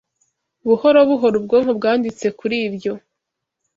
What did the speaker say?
Buhoro buhoro ubwonko bwanditse kuri ibyo